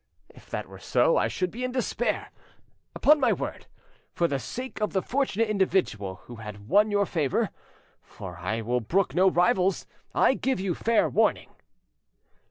If that were so, I should be in despair, upon my word for the sake of the fortunate individual who had won your favour; for I will brook no rivals, I give you fair warning."